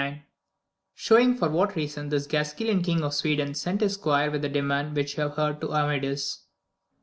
— Showing for what reason this Gktsqoilan King of Sweden sent his squire with the demand which you haTd heard to Amadis.